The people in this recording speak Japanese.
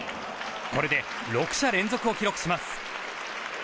これで６者連続を記録します。